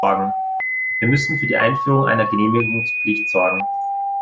Wir müssen für die Einführung einer Genehmigungspflicht sorgen.